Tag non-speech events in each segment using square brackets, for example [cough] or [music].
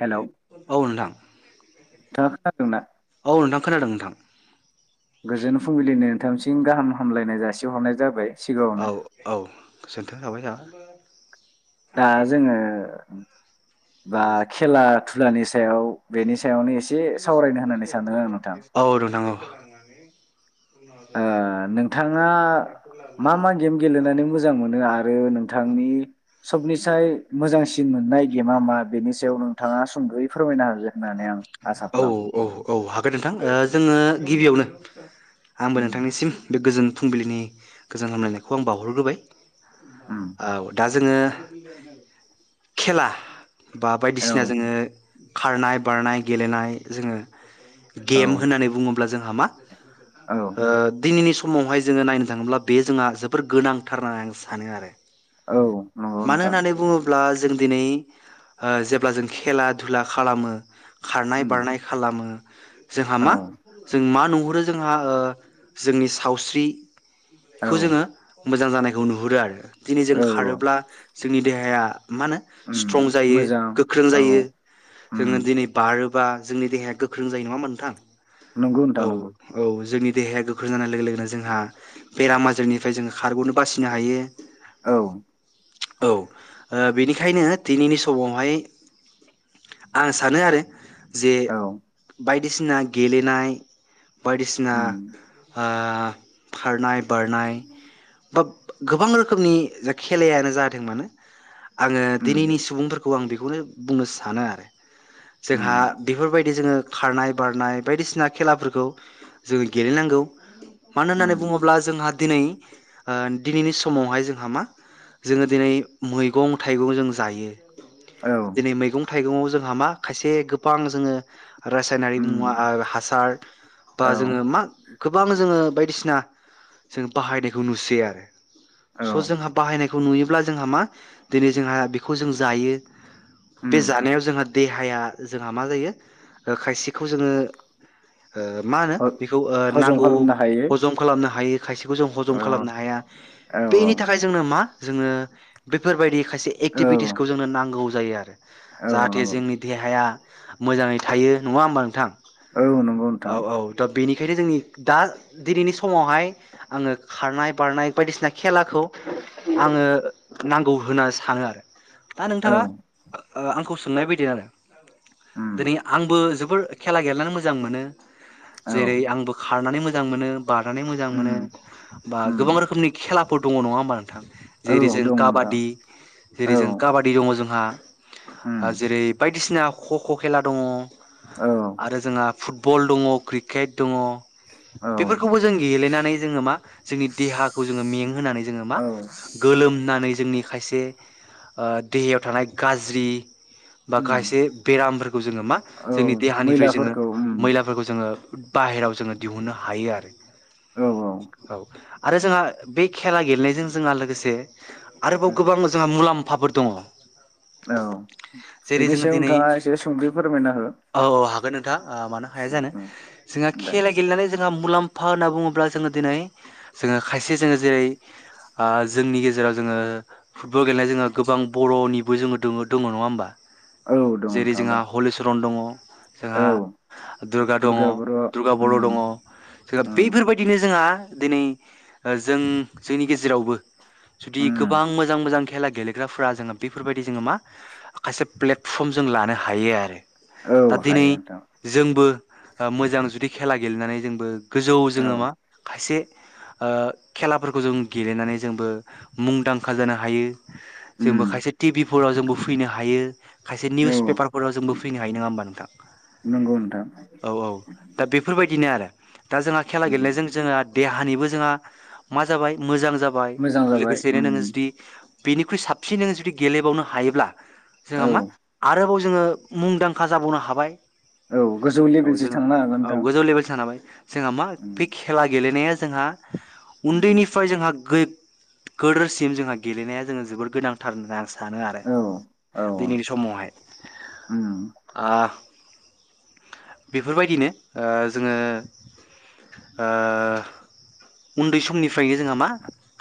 Hello औ नोंथां नोंथाङा खोनादोंना? औ नोंथां खोनादों नोंथां गोजोन फुंबिलिनि नोंथामसिम गाहाम हामलायनाय जासिहरनाय जाबाय सिगाङावनो औ औ [unintelligible] दा जोङो बा खेला दुलानि सायाव बेनि सायावनो एसे सावरायनो होननानै सानदों आं नोंथां औ नोंथां ओ नोंथाङा मा मा गेम गेलेनानै मोजां मोनो आरो नोंथांनि सबनिसाय मोजांसिन मोननाय गेमा मा बेनि सायाव नोंथाङा सुंद'यै फोरमायनो हागोन औ औ औ हागोन नोंथां ओ जोङो गिबियावनो आंबो उम नोंथांनिसिम बे गोजोन फुंबिलिनि गोजोन हामलायनायखौ आं बावहरग्रोबाय उम औ दा जोङो खेला बा औ बायदिसिना जोङो खारनाय बारनाय गेलेनाय जोङो औ गेम होननानै बुङोब्ला जों मामा औ ओ दिनैनि सम समावहाय जोङो नायनो थाङोब्ला बे जोंहा जोबोर गोनांथार होननानै आं सानो आरो औ नंगौ मानो नोंथां होननानै बुङोब्ला जों दिनै ओ जेब्ला जों खेला दुला खालामो खारनाय उम बारनाय खालामो जोंहा औ मा जों मा नं हरो जोंहा जोंनि सावस्रि बे औ खौ जोङो मोजां जानायखौ नुहुरो आरो दिनै जों औ औ खारोब्ला जोंनि देहाया मा होनो उम स्ट्रं जायो मोजां गोख्रों औ जायो उम जोङो दिनै बारो बा जोंनि देहाया गोख्रों जायो नङा होनबा नोंथां नंगौ नोंथां औ नंगौ औ जोंनि देहाया गोख्रों जानाय लोगो लोगोनो जोंहा बेराम आजारनिफ्राय जोङो खारग'नो बासिनो हायो औ औ बेनिखायनो दिनैनि समावहाय आं सानो आरो जे औ बाइक बायदिसिना गेलेनाय बायदिसिना उम बा खारनाय बारनाय बा गोबां रोखोमनि जायखि खेलायानो जाथों मानो आङो उम दिनैनि सुबुंफोरखौ औ आं बेखौनो बुंनो सानो आरो जोंहा उम बेफोरबायदि जोङो खारनाय बारनाय बायदिसिना खेलाफोरखौ जोङो गेलेनांगौ मानो होननानै उम बुङोब्ला जोंहा दिनै ओ दिनैनि समावहाय जोंहा मा जोङो दिनै मैगं थाइगं जों जायो औ दिनै मैगं थाइगङाव जों हामा खायसे गोबां जोङो रासायनारि उम मुवा हासार बा औ जोङो मा गोबां जोङो बायदिसिना जों बाहायनायखौ नुसै आरो औ स जोंहाब नायखौ नुयोब्ला जोंहा मा दिनै जोंहा बेखौ जों जायो बे उम जानायाव जोंहा देहाया जोंहा मा जायो खायसेखौ जोङो ओ मा होनो ह- बेखौ हजम नांगौ खालामनो हायो हजम खालामनो हायो खायसेखौ जों हजम औ खालामनो हाया औ बेनि थाखाय मा जोङो बैफोरबायदि माखासे एक्टिभिटिसखौ औ जोंनो नांगौ जायो आरो औ जाहाथे नंगौ जोंनि देहाया मोजाङै थायो नङा होमबा नोंथां औ नंगौ औ नोंथां औ दा बेनिखायनो जोंनि दा दिनैनि समावहाय आङो खारनाय बारनाय बायदिसिना खेलाखौ आङो नांगौ होनना सानो आरो दा औ नोंथाङा आंखौ मोननाय बायदि आरो उम दिनै आंबो ज बेफोर खेला गेलेनानै मोजां मोनो औ जेरै आंबो खारनानै मोजां मोनो बारनानै मोजां मोनो उम बा उम गोबां रोखोमनि खेला दङ नङा बा नोंथां औ जेरै जों दं नोंथां काबादि औ जेरै जों काबादि दङ जोंहा हा उम जेरै बाय बायदिसिना खख' खेला दङ औ आरो जोंहा फुटबल दङ क्रिकेट दङ औ बेफोरखौबो जों गेलेनानै जोङो मा जोंनि देहाखौ जोङो मेंहोनानै जोङो मा औ गोलोमनानै जों आंनि खायसे ओ देहायाव थानाय गाज्रि बा उम खायसे बेरामफोरखौ जोङो मा औ जोंनि देहानिफ्राय जोङो मैलाफोरखौ उम मैलाफोरखौ जोङो बाहेरायाव जोङो दिहुनो हायो आरो औ औ आरो जोंहा बे खेला गेलेनायजों जोंहा लोगोसे आरोबाव गोबां उम जोंहा मुलाम्फाफोर दङ औ जेरै बेनि जोङो सायाव दिनै नोंथाङा एसे सुंदयै फोरमायना हो दा आ मानो हाया जानो उम जोंहा दे खेला गेलेनानै जोंहा मुलाम्फा होन्ना बुङोब्ला जोङो दिनै जोङो खायसे जोङो जेरै जोंनि गेजेराव जोङो फुटबल गेलेनाय जोंहा गोबां बर'निबो जोङो दोङो दोङो नङा होमबा औ दं जेरै नोंथां जोंहा दं हलिचरन दङ औ जोंहा दुर्गा दङ दुर्गा बर' उम दङ जोंहा उम बैफोरबायदिनो जोंहा दिनै जों जोंनि गेजे रावबो जुदि उम गोबां मोजां मोजां खेला गेलेग्राफ्रा जोङो बेफोरबायदि जोङो मा खायसे प्लेटफर्म जों लानो हायो आरो औ दा दिनै हायो नोंथां जोंबो मोजां जुदि खेला गेलेनानै जोंबो गोजौ औ जोङो मा खायसे खेलाफोरखौ जों गेलेनानै जोंबो मुंदांखा जानो हायो जोंबो उम खायसे टिभिफोराव जोंबो फैनो हायो खायसे औ निउस पेपारफोराव जोंबो फैनो हायो नोङा होमबा नोंथां नंगौ नोंथां औ औ दा बेफोरबाय दिनो आरो दा जोंहा खेला उम गेलेनायजों जोङा देहानिबो जोंहा मा जाबाय मोजां जाबाय मोजां जाबाय लोगोसेनो उम नोङो जुदि बेनिख्रुइ साबसिन जुदि गेलेबावनो हायोब्ला जोंहा औ मा आरोबाव जोङो मुंदांखा जाबावनो हाबाय औ गोजौ औ लेभेलसो जोङो थांनो हागोन औ नोंथां गोजौ लेभेल जानो हाबाय जोंहा मा उम बे खेला गेलेनाया जोंहा उम उन्दैनि जोंहा गो गोदोरसिम जोंहा गेलेनाया जोङो जोबोद गोनांथार होननानै आं सा सानो आरो औ औ दिनैनि समावहाय उम बेफोरबायदिनो ओ जोङो ओ उन्दै समनि फैयो जोंहा मा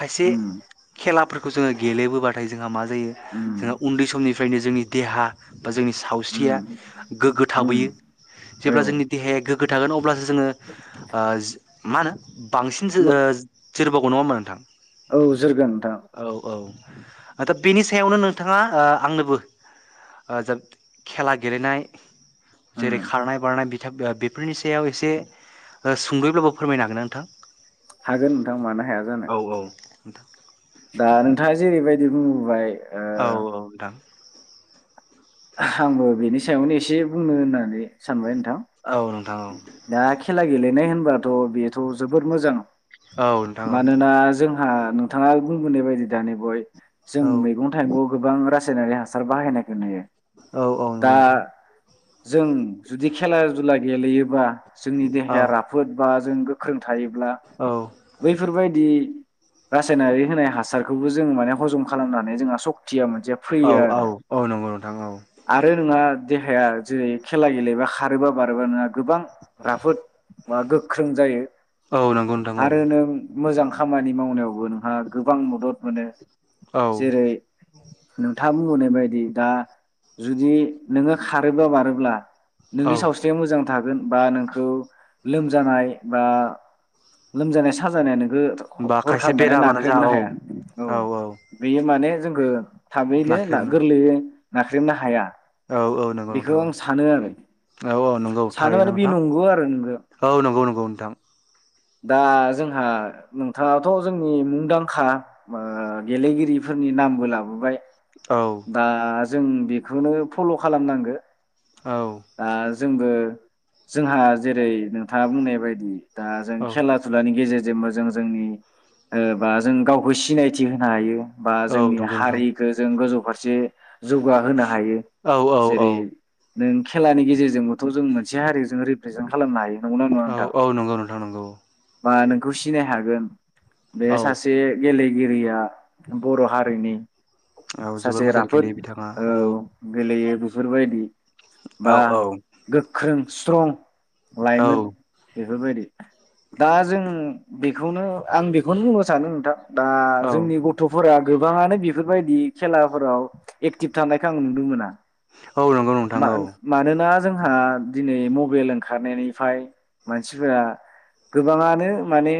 खायसे उम खेलाफोरखौ जोङो गेलेबोाथाय जों मा ज जों उम उन्दै समनि फ्रायनो जोंनि देहा बा जोंनि सावस्रिया उम गोग्गो उम थाबोयो औ जेब्ला जोंनि देहाया गोग्गो खो थागोन अब्लासो जोङो आ मानो बांसिन ओ [unintelligible] नङा हमबा नोंथां औ जोरगोन नोंथां औ दा बेनि सायावनो नोंथाङा ओ आंनोबो जों खेला गेलेनाय उम जेरै खारनाय बारनाय बेफोरनि सायाव एसे सुंदयैब्लाबो फोरमायनो हागोन ना नोंथां हागोन नोंथां मानो हाया जानो औ औ नोंथां दा नोंथाङा जेरैबायदि बुंबाय औ औ नोंथां आंबो बेनि सायावनो एसे बुंनो होननानै सानबाय नोंथां औ नोंथां औ दा खेला गेलेनाय होन होनबाथ' बेथ' जोबोद मोजां औ नोंथां औ मानोना जोंहा नोंथाङा बुंबोनाय बायदि दानि बय जों औ मैगं थाइगं गोबां रा नारि हासार बाहायनायखौ नुयो औ औ दा नंगौ नोंथां जों जुदि खेला दुला गेलेयोबा जोंनि औ देहाया राफोद बा जों गोख्रों थायोब्ला औ बैफोरबायदि रासायनारि होनाय हासारखौबो जों माने हजम खालामनानै जोंहा सक्तिया मोन जे औ फैयो औ आरो औ नंगौ नोंथां औ आरो नोंङा देहाया जेरै खेला गेलेबा खारोबा बार रोबा नोंहा गोबां राफोद बा गोख्रों जायो औ नंगौ नोंथां औ आरो नों मोजां खामानि मावनायावबो नोंहा गोबां मदद मोनो औ जेरै नोंथाङा बुंबोनाय बायदि दा जुदि नोङो खारोब्ला बारोब्ला औ नोंनि सावस्रि मोजां थागोन बा नोंखौ लोमजानाय बा लोमजानाय साजानायानों बा खायसे हरखाबै माने बेरामानो जा नाख्रेबनो औ हाया औ बेयो माने जोङो थाबहैनो ना नाख्रेबनो गोरलैयो नाख्रेबनो हाया औ औ नंगौ बेखौ नोंथां आं औ सानो आरो औ औ नंगौ सानो थारैनो माने बे नोंथां नंगौ आरो नोंगौ औ नंगौ नंगौ नोंथां दा जोंहा नोंथाङाथ' जोंनि मुंदांखा ओ गेलेगिरिफोरनि नामबो लाबोबाय औ दास जों बेखौनो फल' खालामनांगो औ दा जोंबो जोंहा जेरै नोंथाङा बुंनाय बायदि दा जों औ खेला धुलानि गेजेरजों जेनबा जों जोंनिओ बा जों गावखौ सिनायथि होनो हायो बा औ जोंनि नंगौ नोंथां हारिखो जों गोजौ मोनसे जौगाहोनो हायो औ औ औ जेरै नों खेलानि गेजेरजोंबो थ' जों मोनसे हारिजों रिप्रेजेन्ट खालामनो हायो नंगौना नङा औ नोंथां? औ नंगौ नोंथां नंगौ बा नोंखौ सिनाय हागोन बे औ सासे गेले गिरिया बर' हारिनि औ जोबोर सासे मोजां राफोद गेलेयो बिथाङा औ गेलेयो बेफोरबायदि बा औ औ गोख्रों स्ट्रं औ लाइमोन बेफोरबायदि दा जों बेखौनो आं बेखौनो बुंनो सानो नोंथां दा औ जोंनि गथ'फोरा गोबाङानो बेफोरबायदि खेलाफोराव एक्टिभ थानायखौ आं नुनो मोना औ नंगौ नोंथां मा औ मानोना जोंहा दिनै मबाइल ओंखारनायनिफ्राय मानसिफोरा गोबाङानो माने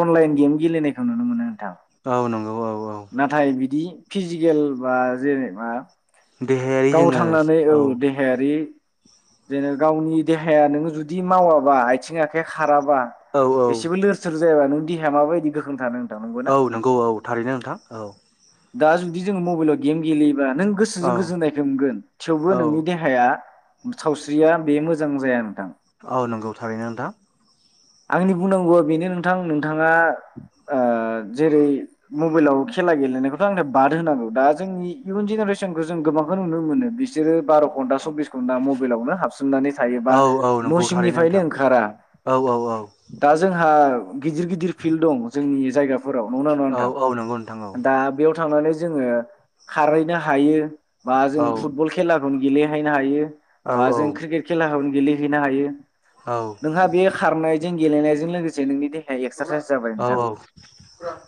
अनलाइन गेम गेलेनायखौ नुनो मोनो नोंथां औ नंगौ औ औ नाथाय बिदि फिजिकेल बा जेने बा देहायारि गाव जोङो थांनानै औ देहायारि जेने गावनि देहाया नोङो जुदि मावाबा आथिं आखाइ खाराबा औ औ एसेबो लोर सोर जायाबा नों देहाया माबायदि गोख्रों थानो नोंथां नंगौना औ नंगौ औ थारैनो नोंथां औ दा जुदि जोङो मबाइलाव गेम गेलेयो नों औ गोसोजों गोजोन नायखो मोनगोन थेवबो औ नोंनि देहाया सावस्रिया बे मोजां जाया नोंथां औ नंगौ थारैनो नोंथां आंनि बुंनांगौआ बेनो नोंथां नोंथाङा ओ जेरै मबाइलाव खेला गेलेनायखौ बे आंनिफ्राय बाद होनांगौ दा जों इयुन जेनेरेसनखौ जों गोबांखौ नुनो मोन बिसोरो बार' घन्टा सब्बिस घन्टा मबाइलावनो हाबस मनानै थायो बा औ औ न' नंगौ थारैनो सिंनिफ्रायनो नोंथां ओंखारा औ औ औ दा जोंहा गिदिर गिदिर फिल्ड दं जोंनि जायगा फोराव नंगौ ना नङा औ औ नंगौ औ नोंथां दा थांनानै जोङो खारहैनो हायो बा जों औ फुटबल खेला ना गेलेहैनो हायो औ बा जों क्रिकेट खेलाखौ गेलेहैनो हायो औ नोंहा बे खारनायजों गेलेनायजों लोगोसे नोंनि दे एक्सारसाइस जाबाय औ नोंथां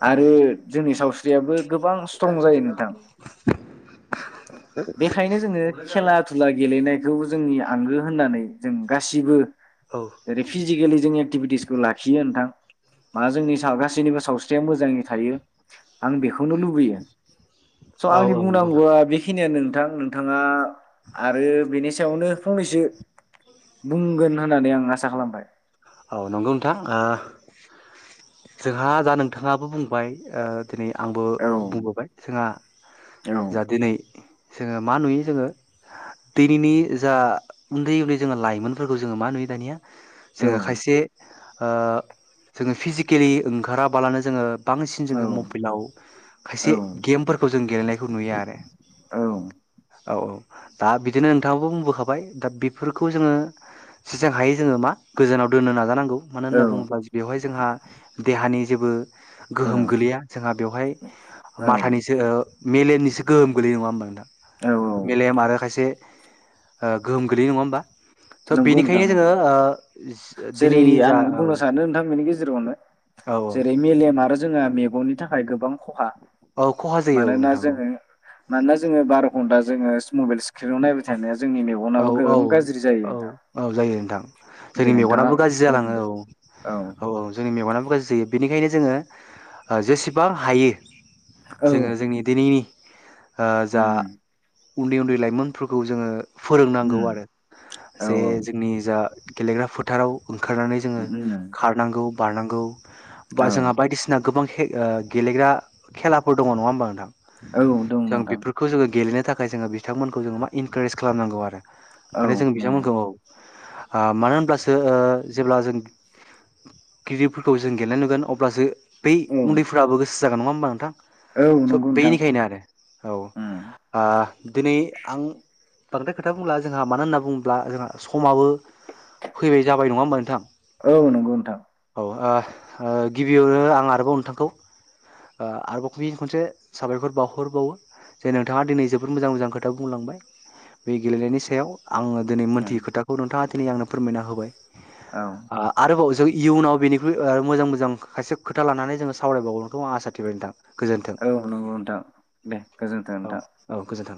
आरो जोंनि सावस्रि [unintelligible] गोबां स्ट्रं जायो नोंथां बेखायनो जोङो खेला दुला गेलेनाय जौ‌ जोंनि आंगो होननानै जों गासिबो औ जेरै फिजिकेलि जों एकटिभिटिसखौ लाखियो नोंथां मा जोंनि सा गासैनिबो सावस्रिया मोजाङै थायो आं बेख खौनो लुबैयो स' औ आंनि नंगौ नोंथां बुंनांगौआ बेखिनियानो थां नोंथाङा आरो बिनि सायावनो फंनैसो बुंगोन होननानै आं आसा खालामबाय औ नंगौ नोंथां ओ जोंहा दा नोंथाङाबो बुंबाय ओ दोनै आंबो औ बुंबोबाय जोंहा औ जा दिनै जोङो मा नुयो जोङो दैनैनि जा उन्दै उन्दै जोङो लाइमोनफोरखौ जोङो मा नुयो दानिया जोङो औ खायसे ओ जोङो फिजिकेलि ओंखाराबालानो जोङो बांसिन जोङो मबिलाव खायसे औ गेमफोरखौ जों गेलेनायखौ नुयो आरो औ औ दा बिदिनो नोंथाङाबो बुंबोखाबाय दा बेफोरखौ जोङो सिजां हायो जोङो मा गोजानाव दोननो नाजानांगौ मानो होनना औ बुङोब्ला बेवहाय जोंहा देहानि जेबो औ गोहोम गोलैया जोंहा बेवहाय माथानिसो ओ मेलेमनिसो गोहोम गोलैयो नङा होमबा नोंथां औ मेलेम आरो खायसे ओ गोहोम गोलैयो नङा होमबा स' नंगौ नोंथां बिनिखायनो नंगौ जोङो ओ जेरै दिनैनि जा आं औ बुंनो सानो नोंथां बेनि गेजेरावनो औ औ जेरै मेलेम आरो जोंहा मेगननि थाखाय गोबां खहा औ खहा जायो औ मानोना नोंथां औ जोङो मानोना जोङो बार' घन्टा जोङो सि मबेल स्क्रिनाव नायबाय थानाया जोंनि औ मेगनाबो औ गोबां गाज्रि औ जायो औ जायो नोंथां दे जोंनि नोंथाङा मेगनाबो गाज्रि जालाङो बुंफिनदो औ औ औ जोंनि मेगनाबो गाज्रि जायो बिनिखाय खायनो जोङो ओ जेसेबां हायो औ जोङो जोंनि दिनैनि ओ जा उम उन्दै उन्दै लाइमोनफोरखौ जोङो फोरोंनांगौ उम आरो औ जे जोंनि जा गेलेग्रा फोथाराव ओंखारनानै जोङो उम खारनांगौ बारनांगौ बा औ जोंहा बायदिसिना गोबां गेलेग्रा खेलाफोर दङ नङा होमबा नोंथां औ दं जों नोंथां बेफोरखौ जोङो गेलेनो थाखाय जोङो बिथांमोनखौ जोङो मा इनकारेज खालामनांगौ आरो औ माने जों नंगौ बिथांमोनखौ औ आ मानो होनब्लासोओ जेब्ला जों गिदिरफोरखौ जों गेलेनाय नुगोन अब्लासो बै औ उन्दैफोराबो गोसो जागोन नङा होमबा नोंथां औ स नंगौ नोंथां बेनिखायनो आरो उम औ दिनै आं बांद्राय खोथा बुंला जोंहा मानो होनना बुङोब्ला जोंहा समाबो फैबाय जाबाय नङा होमबा नोंथां औ नंगौ नोंथां औ ओ ओ गिबियावनो आं आरोबाव नोंथांखौ ओ आरोबाव फिनखनसे साबायखर बावहरबावो जे नोंथाङा दिनै जोबोद मोजां मोजां खोथा बुंलांबाय बे गेलेनायनि सायाव आङो दिनै उम मोनथियै खोथाखौ नोंथाङा दिनै आंनो फोरमायना होबाय औ आरोबाव जै इयुनाव बेनिख्रुइ ओ मोजां मोजां खायसे खोथा लानानै जोङो सावरायबावगोनखौ आं आसा थिबाय नोंथां गोजोन्थों औ नंगौ नोंथां दे गोजोन्थों औ नोंथां औ गोजोन्थों